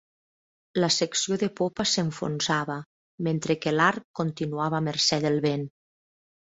La secció de popa s'enfonsava, mentre que l'arc continuava a mercè del vent.